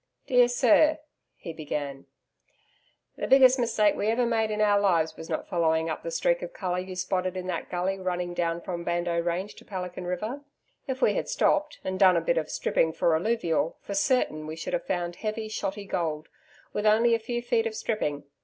Dear Sir he began: The biggest mistake we ever made in our lives was not following up the streak of colour you spotted in that gully running down from Bardo Range to Pelican River. If we had stopped, and done a bit of stripping for alluvial, for certain, we should have found heavy, shotty gold, with only a few feet of stripping.